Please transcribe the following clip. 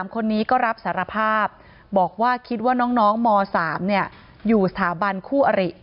คนนี้ก็รับสารภาพบอกว่าคิดว่าน้องม๓อยู่สถาบันคู่อริ